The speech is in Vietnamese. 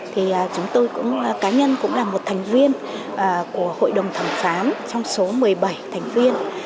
thì chúng tôi cũng cá nhân cũng là một thành viên của hội đồng thẩm phán trong số một mươi bảy thành viên